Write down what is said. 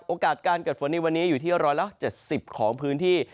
โอกาสการเกิดฝนในวันนี้อยู่ที่๑๗๐ของพื้นที่